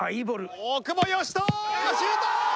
大久保嘉人シュート！